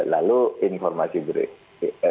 lalu informasi berikutnya